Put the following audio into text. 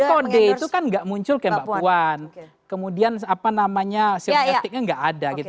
tapi kan kode itu kan gak muncul mbak puan kemudian apa namanya siletiknya gak ada gitu